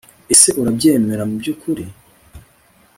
ese urabyemera mubyukuri